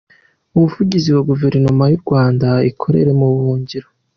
Umuvugizi wa Guverinoma y’u Rwanda ikorera mu buhungiro.